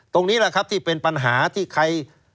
ตรงนี้แหละครับที่เป็นปัญหาที่ใคร